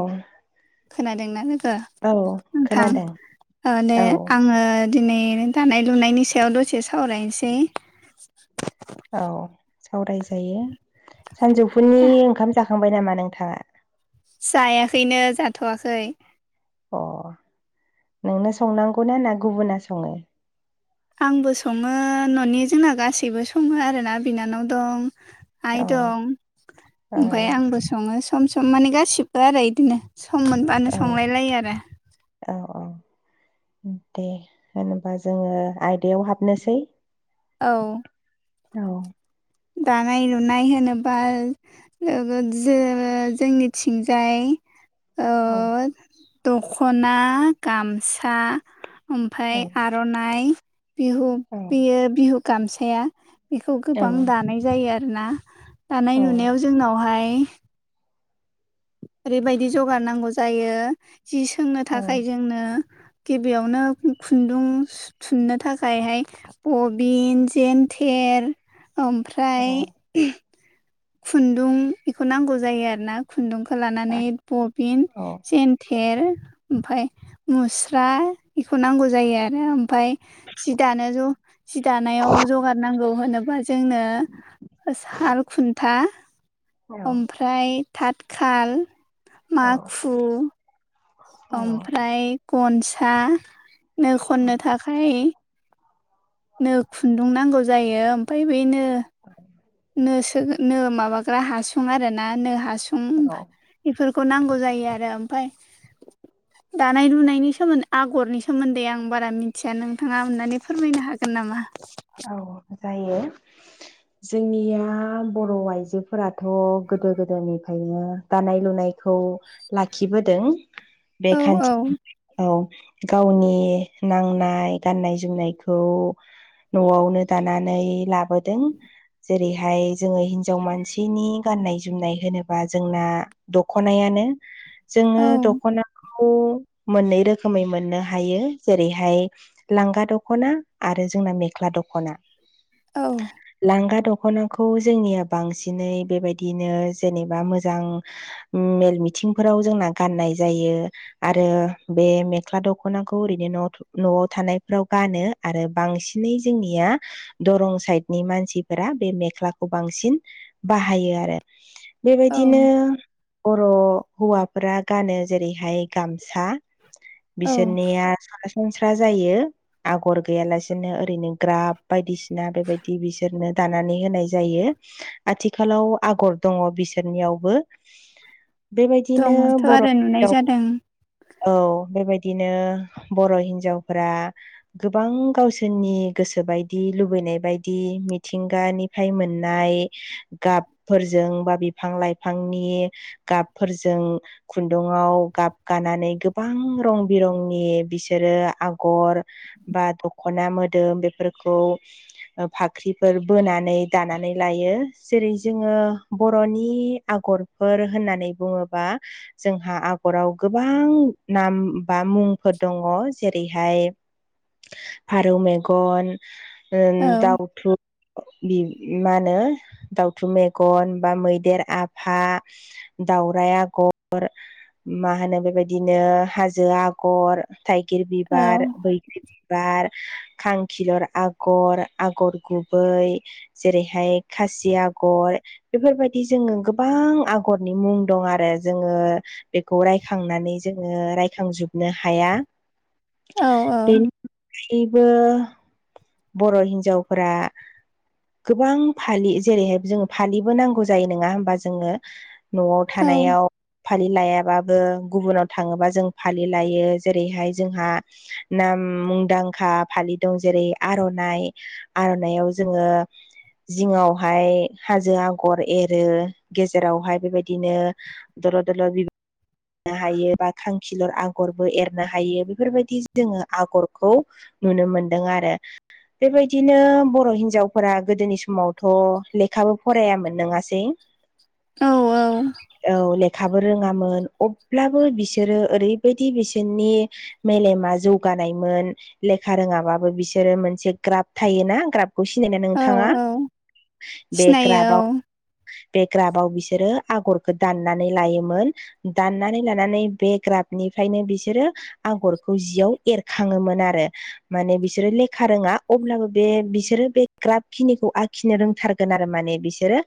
औ। खोनादोंना लोगो औ नोंथां। खोनादों माने औ आङो दिनै दानाय लुनायनि सायाव दसे सावरायनोसै। औ सावरायजायो। सानजौफुनि ओंखाम जाखांबाय नामा नोंथाङा? जायाखैनो जाथ'वाखै। अ नोंनो संनांगौना ना गुबुना सङो? आंबो सङो न'नि जोंना गासैबो सङो आरोना बिनानाव दं। आइ औ दं औ ओमफफ्राय आंबो सङो सम सम माने गासिबो आरो बिदिनो। सम मोनबानो औ संलायलायो आरो। औ औ। दे होनबा जोङो आयदायाव हाबनोसै। औ। औ। दानाय लुनाय होनोबा [unintelligible] जे जोंनिथिंजाय ओ औ दख'ना गामसा ओमफ्राय औ आ आर'नाइ बिहु औ बेयो बिहु गामसाया बेखौ औ गोबां दा दानाय जायो आरोना दानाय औ लुनायाव जोंनावहाय ओरैबायदि जगार नांगौ जायो जि सोंनो औ थाखाय जोंनो गिबियावनो खुन्दुं थुननो थाखायहाय बबिन जेन थेर ओमफ्राय खुन्दुं बेखौ नांगौ जायो आरोना। खुन्दुंखौ लानानै बबिन औ जेनथेर ओमफाय मुस्रा बेखौ नांगौ जायो आरो। ओमफफ्राय जि दानो ज सि दानायाव जगार नांगौ होनोबा जोंनो साल खुन्था औ ओमफ्राय थाथखाल, माखु ओमफ्राय गनसा नो खननो थाखाय नो खुन्दुं नांगौ जायो ओमफ्राय बेनो [inaudible] नो सो नो माबाग्रा हासुं आरोना नो हासुं औ। बेफोरखौ नांगौ जायो आरो ओमफाय दानाय लुनायनि सोमोन्दै आगरनि सोमोन्दै आं बारा मिथिया नोंथाङा अनानै फोरमायनो हागोन नामा? [inaudible] औ जायो। [inaudible] जोंनिया बर' आइजोफोराथ' गोदो गोदायनिफ्रायनो दानाय लुनायखौ लाखिबोदों बे औ औ खान्थि औ गावनि नांनाय गाननाय जोमनायखौ न'आवनो दानानै लाबोदों जेरैहाय जोङो हिनजाव मानसिनि गाननाय जोमनाय होनोबा जोंना दख'नायानो जोङो औ दख'ना खौ मोननै रोखोमै मोननो हायो जेरैहाय लांगा दख'ना आरो जोंना मे ख्ला दख'ना लांगा दख'ना खौ जोंनिया बांसिनै बेबायदिनो जेनेबा मोजां मेल मिथिंफोराव जोंना गाननाय जायो। आरो बे मेख्ला दख'नाखौ ओरैनो न'वाव न'आव थानायफ्राव गानो आरो बांसिन नै जोंनिया दरं साइडनि मानसिफोरा बे मेख्लाखौ बांसिन बाहायो आरो औ बेबायदिनो बर' हौवाफोरा गानो जेरैहाय गामसा। औ बिसोरनिया सरासनस्रा जायो आगर गैयालासेनो ओरैनो ग्राफ बायदिसिना बेबायदि बिसोरनो दानानै होनाय जायो। आथिखालाव आगर दङ बिसोरनियावबो। बेबायदिनो दंङथ' आरो बर' नुनाय जादों। औ बेबायदिनो बर' हिनजावफोरा गोबां गावसोरनि नि गोसो बायदि लुबैनाय बायदि मिथिंगानिफ्राय मोननाय गाबफोरजों बा बिफां लाइफांनि गाबफोरजों खुन्दुङाव गाब गानानै गोबां रं बिरंनि बिसोरो आगर बा दख'ना मोदोम बेफोरखौ फाख्रिफोर बोनानै दानानै लायो जेरै जोङो बर'नि आगर फोर होननानै बुङोबा जोंहा आगराव गोबां नाम बा मुंफोर दङ जेरैहाय [inaudible] फारौ मेगन ओ औ दउथु बि मा होनो दाउथु मेगन बा मैदेर आफा दाउराइ आगर मा होनो बेबायदिनो हाजो आगर थाइगिर औ बिबार बैग्रि बिबार खांखिलर आगर आगर गुबै जेरैहाय खासि आगर बेफोरबायदि जोङो गोबां आगरनि मुं दं आरो जोङो बेखौ रायखांनानै जोङो रायखांजोबनो हाया। औ बेनि अनगायैबो बर' हिनजावफोरा गोबां फालि जेरैहाय जोङो फालिबो नांगौ जायो नङा होमबा जोंनो। न'आव औ थानायाव फालि लायाबाबो गुबुनाव थाङोबा जों फालि लायो जेरैहाय जोंहा नाम मुंदांखा फालि दं जेरै आर'नाइ आर'नाइयाव जोङो जिङावहाय हाजो आगर एरो गेजेरावहाय बेबायदिनो दल'र दल'र बि नो हायो बा खांखिलर आगरबो एरनो हायो बेफोरबायदि जोङो आगरखौ नुनो मोनदों आरो बेबायदिनो बर' हिनजावफोरा गोदोनि समावथ' लेखाबो फरायामोन नोङासै औ औ लेखाबो रोङामोन अब्लाबो बिसोरो ओरैबायदि बिसोरनि मेलेमा जौगानायमोन लेखा रोङाबाबो बिसोरो मोनसे ग्राब थायोना ग्राब बेखौ सिनायनाय औ नोंथाङा औ बे सिनायो ग्राबाव बे ग्राबाव बिसोरो आगरखौ दाननानै लायोमोन दाननानै लानानै बे ग्राबनिफ्रायनो बिसोरो आगरखौ जियाव एरखाङोमोन आरो माने बिसोरो लेखा रोङा अब्लाबो बे बिसोरो बे ग्राफ खिनिखौ आखिनो रोंथारगोन आरो माने बिसोरो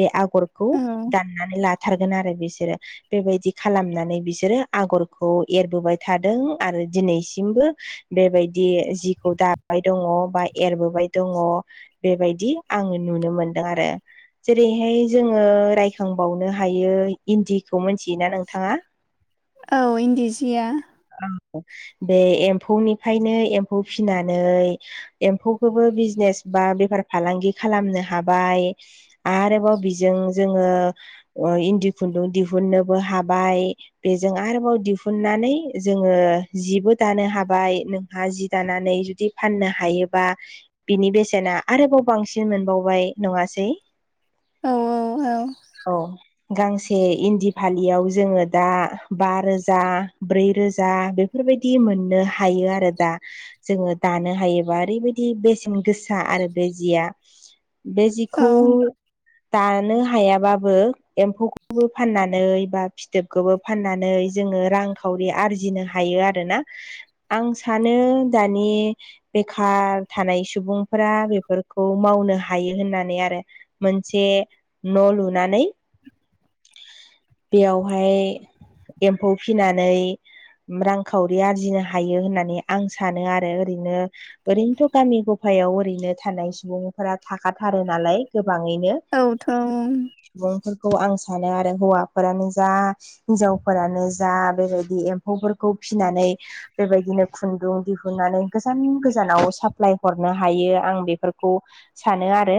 बे आ गरखौ औ दाननानै लाथारगोन आरो बिसोरो बेबायदि खालामनानै बिसोरो आगरखौ एरबोबाय थादों आरो दिनैसिमबो बेबायदि जिखौ दाबाय दङ बा एरबोबाय दङ बेबायदि आङो नुनो मोनदों आरो। जेरैहाय जोङो रायखांबावनो हायो इन्दि खौ मोनथियोना नोंथाङा? औ इन्दि जिया औ बे एम्फौनिफ्रायनो एम्फौ फिनानै एम्फौखोबो बिजनेस बा बेफार फालांगि खालामनो हाबाय आरोबाव बिजों जोङो ओ इन्दि खुन्दुं दिहुननोबो हाबाय बेजों आरोबाव दिहुननानै जोङो जिबो दानो हाबाय नोंहा जि दानानै जुदि फाननो हायोबा बिनि बेसेना आरोबाव बांसिन मोनबावबाय नङासै? औ औ औ औ गांसे इन दि फालियाव जोङो दा बा रोजा ब्रै रोजा बेफोरबायदि मोननो हायो आरो दा जोङो दानो हायोबा ओरैबायदि बेसेन गोसा आरो बे जिया बे जिखौ औ दानो हायाबाबो एम्फौखौबो फाननानै बा फिथोबखोबो फाननानै जोङो रांखावरि आरजिनो हायो आरोना। आं सानो दानि। बेखार थानाय सुबुंफोरा बेफोरखौ मावनो हायो होननानै आरो। मोनसे न' लुनानै। बेयावहाय एम्फौ फिनानै। रांखावरि आरजिनो हायो होननानै आं सानो आरो ओरैनो। ओरैनोथ' गामि गफायाव ओरैनो थानाय सुबुंफोरा थाखाथारो नालाय गोबाङैनो। औथ' ओम। सुबुंफोरखौ आं सानो आरो हौवाफोरानो जा। हिनजावफोरानो जा बेबायदि एम्फौफोरखौ फिनानै बेबायदिनो खुन्दुं दिहुननानै गोजान गोजानाव साप्लाय हरनो हायो आं बेफोरखौ सानो आरो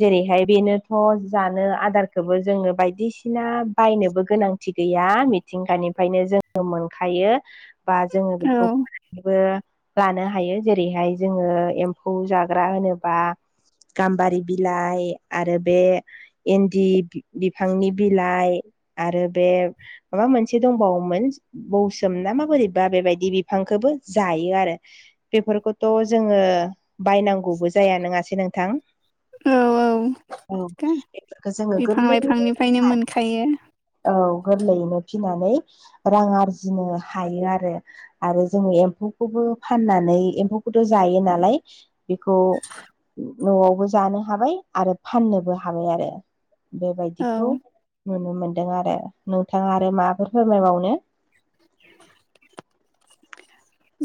जेरैहाय बेनोथ' जानो आदारखोबो जोंनो बाय दिसिना बायनोबो गोनांथि गैया मिथिंगानिफ्रायनो जोङो मोनखायो बा जोङो औ बेखौ फोराननोबो लानो हायो जेरैहाय जोङो एम्फौ जाग्रा होनोबा गाम्बारि बिलाइ आरो बे इन्दि बिफांनि बिलाइ आरो बे माबा मोनसे दंबावोमोन बौसोम ना माबोरैबा बेबायदि बिफांखौबो जायो आरो। बेफोरखौथ' जोङो बायनांगौबो जाया नङासै नोंथां। औ औ बेफोरखो जोङो गोरलै। बेफायनो मोनखायो। औ गोरलैयैनो फिनानै रां आरजिनो हायो आरो। आरो जोङो एम्फौखौबो फाननानै एम्फौखौथ' जायो नालाय बेखौ। न'आवबो जानो हाबाय आरो फाननोबो हाबाय आरो। औ बेबायदिखौ नुनो मोनदों आरो नोंथाङा आरो माफोर फोरमायबावनो?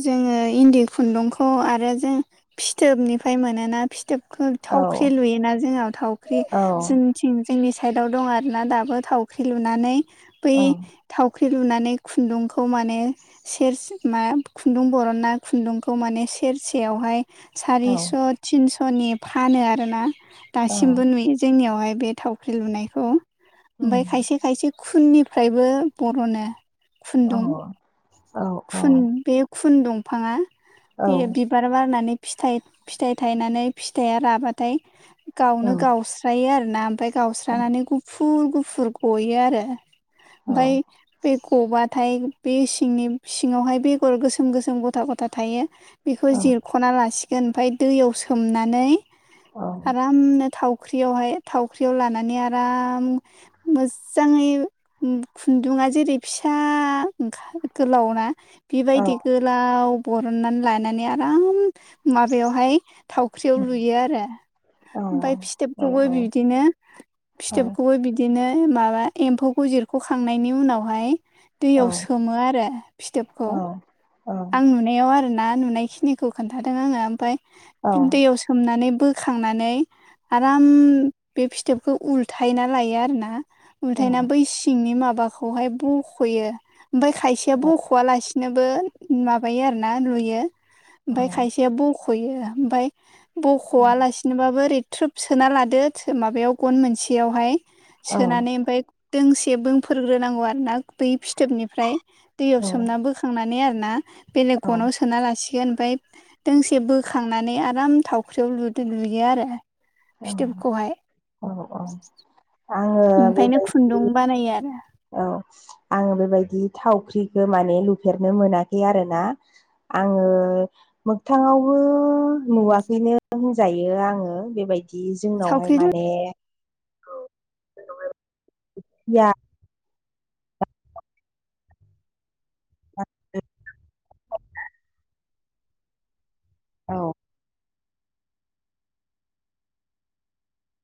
जोङो इन्दि खुन्दुंखौ आरो जों फिथोबनिफ्राय मोनोना फिथोबखौ औ थावख्रि लुयोना जोंनाव थावख्रि औ जों। थिं जोंनि साइदाव दं आरोना दाबो थावख्रि लुनानै बै औ थावख्रि। रुनानै खुन्दुंखौ माने सेरस मा। खुन्दुं बरनना खुन्दुंखौ माने सेरसेयावहाय औ सारिस' थिनस'। सनि फानो आर ना औ दासिमबो नुयो जोंनियावहाय बे थावख्रि लुनायखौ। ओमफाय उम खायसे-खायसे खुननिफ्रायबो बर'नो खुन्दुं। औ-औ। बे खुन दंफाङा औ बेयो। बिबार बारनानै फिथाइ-फिथाइ थायनानै फिथाइया राबाथाय औ गावनो-गाव। स्रायो आर ना ओमफाय गावस्रानानै गुफुर- गुफुर गयो आरो। औ ओमफाय बे गबाथाय बे सिंनि। सिङावहाय बेगर गोसोम-गोसोम गथा- गथा थायो बेखौ औ जिरख'ना लासिगोन। ओमफाय दैयाव सोमनानै आरामनो थाव। फख्रियावहाय थावख्रियाव लानानै आराम। मोजाङै खुन्दुङा जेरै फिसा ओंखार। गोलाव ना बिबायदि गो। लाव बरननानै लानानै आराम माबायावहाय। थावख्रियाव लुयो आरो। ओमफाय औ फिथोबखौबो बिदिनो फिथोबखौबो बिदि। बिदिनो माबा एम्फौ जिरख'खांनायनि उनावहाय दैयाव सोमो आरो। फिथोबखौ औ आं नुनायाव आरोना नुनायखिनिखौ खोन्थादों आङो ओमफाय। दैयाव सोमनानै बोखांनानै। आराम बे फिथोबखौ उल्थायना लायो आरोना। ओथायना बै सिंनि माबाखौहाय बख'यो ओमफाय खायसेया बख'वलासिनो। नोबो माबायो आरो ना रुयो ओमफाय खायसेया बख'यो ओमफाय। बख'वलासिनोबाबो ओरै थ्रुब सोना लादो माबायाव गन मोनसेयावहाय सोनानै ओमफफ्राय दोंसे बोंफोरोग्रोनांगौ आरो ना बै फिथोबनिफ्राय दैयाव सोमना बोखांनानै आरोना बेलेग गनाव सोना लासिगोन ओमफफ्राय दोंसे बोखांनानै आराम थावख्रियाव लु लुयो आरो फिथोबखौहाय औ औ औ ओनिखायनो खुन्दुं बानायो आरो औ आङो बेबायदि थावख्रिखौ माने लुफेरनो मोनाखै आरो ना आङो मोखथाङावबो नुवाखैनो होनजायो आङो बेबायदि। दि जोंनावहाय थावख्रि माने। ओ जोंनावहाय। म औ।